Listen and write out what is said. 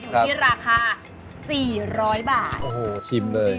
อยู่ที่ราคา๔๐๐บาทโอ้โหชิมเลย